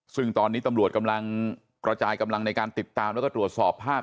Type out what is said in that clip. ซึ่งตอนนี้ตำรวจกำลังกระจายกำลังในการติดตามแล้วก็ตรวจสอบภาพ